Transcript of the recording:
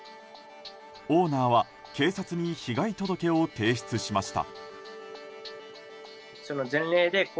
オーナーは警察に被害届を提出しました。